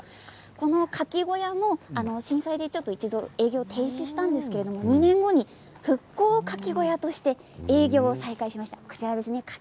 このかき小屋も震災で一度営業を停止したんですけれども２年後に復興かき小屋として営業を再開しました。